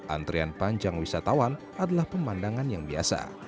antrian panjang wisatawan adalah pemandangan yang biasa